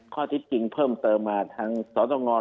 ข้อจิตจริงเพิ่มเติมมาทางสตระงรนี่